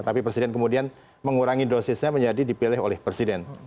tapi presiden kemudian mengurangi dosisnya menjadi dipilih oleh presiden